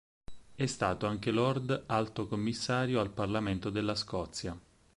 È stato anche Lord Alto Commissario al Parlamento della Scozia.